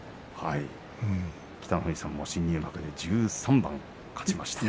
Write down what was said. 北の富士さんは新入幕で１３番勝ちました。